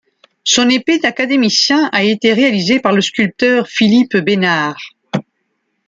Son épée d'académicien a été réalisée par le sculpteur Philippe Besnard.